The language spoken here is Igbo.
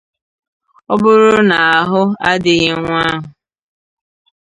ọ bụrụ na ahụ adịghị nwa ahụ